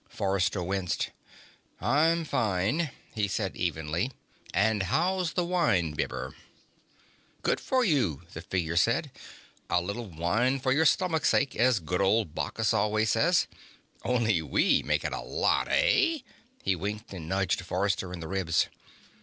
Forrester winced. "I'm fine," he said evenly. "And how's the winebibber?" "Good for you," the figure said. "A little wine for your Stomach's sake, as good old Bacchus always says. Only we make it a lot, eh?" He winked and nudged Forrester in the ribs.